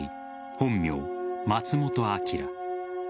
本名・松本晟。